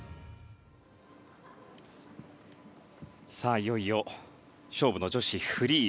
いよいよ勝負の女子フリー。